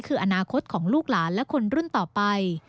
คืออนาคตของลูกหลานและคนรุ่นต่อไป